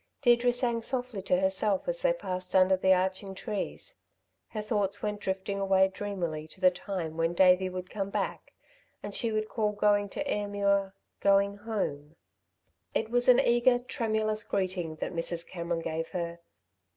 Deirdre sang softly to herself as they passed under the arching trees. Her thoughts went drifting away dreamily to the time when Davey would come back and she would call going to Ayrmuir, "going home." It was an eager, tremulous greeting that Mrs. Cameron gave her.